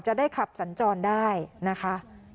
จะได้ขับสัญจรได้นะคะ